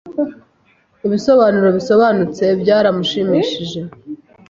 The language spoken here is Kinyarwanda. Ibisobanuro bisobanutse byaramushimishije.